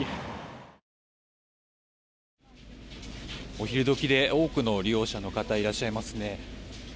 お昼時で多くの利用者の方いらっしゃいますね。